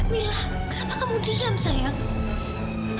mila kenapa kamu diam sayang